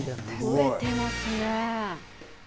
増えてますね。